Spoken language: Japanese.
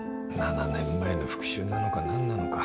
７年前の復讐なのか何なのか。